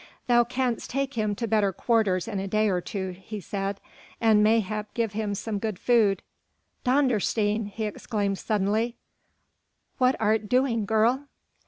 "Thou canst take him to better quarters in a day or two," he said, "and mayhap give him some good food.... Dondersteen!" he exclaimed suddenly, "what art doing, girl?"